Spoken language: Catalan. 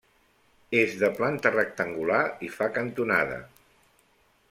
És de planta rectangular i fa cantonada.